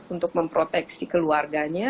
untuk memproteksi keluarganya